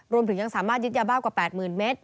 รวมถึงยังสามารถยึดยาบ้ากว่า๘๐๐๐เมตร